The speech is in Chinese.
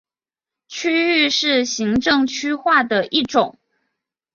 区域是行政区划的一种。